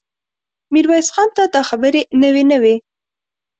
ميرويس خان ته دا خبرې نوې نه وې.